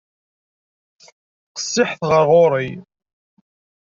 Qessiḥet ɣer ɣur-i.